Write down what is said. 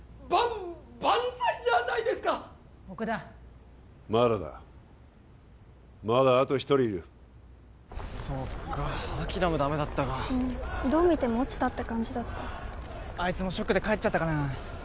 万々歳じゃないですか奥田まだだまだあと１人いるそっか輝もダメだったかうんどう見ても落ちたって感じだったあいつもショックで帰っちゃったかな？